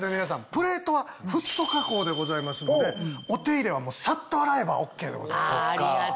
プレートはフッ素加工でございますのでお手入れはさっと洗えばＯＫでございます。